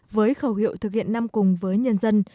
với khẩu hiệu thực hiện năm cùng với nhân dân